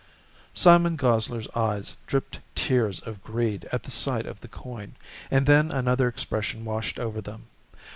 Simon Gosler's eyes dripped tears of greed at the sight of the coin, and then another expression washed over them.